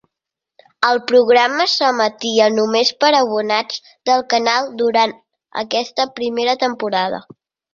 El programa s'emetia només per a abonats del canal durant aquesta primera temporada.